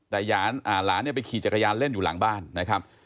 แต่หลานเนี่ยไปขี่จักรยานเล่นอยู่หลังบ้านนะครับ